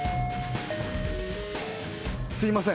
すいません